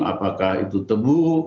apakah itu tebu